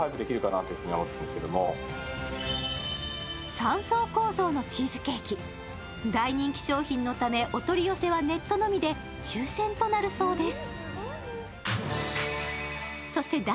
３層構造のチーズケーキ、大人気商品のためお取り寄せはネットのみで抽選となるそうです。